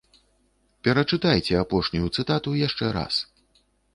Перачытайце апошнюю цытату яшчэ раз.